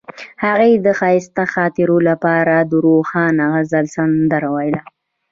هغې د ښایسته خاطرو لپاره د روښانه غزل سندره ویله.